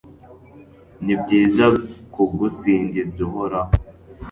Ni byiza kugusingiza Uhoraho